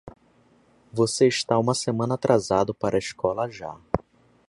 Você está uma semana atrasado para a escola já.